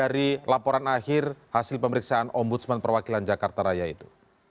dari laporan akhir hasil pemeriksaan ombudsman perwakilan jakarta raya itu